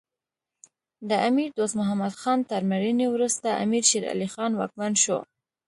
د امیر دوست محمد خان تر مړینې وروسته امیر شیر علی خان واکمن شو.